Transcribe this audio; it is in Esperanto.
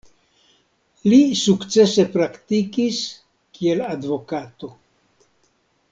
Li sukcese praktikis kiel advokato.